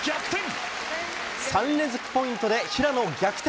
３連続ポイントで、平野を逆転。